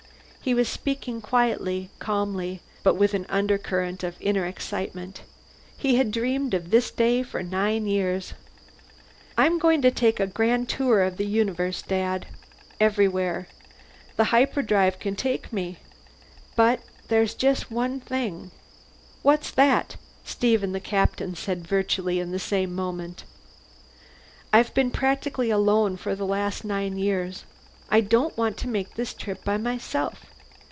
He was speaking quietly, calmly, but with an undercurrent of inner excitement. He had dreamed of this day for nine years. "I'm going to take a grand tour of the universe, Dad. Everywhere. The hyperdrive can take me. But there's just one thing " "What's that?" Steve and the Captain said virtually in the same moment. "I've been practically alone for the last nine years. I don't want to make this trip by myself.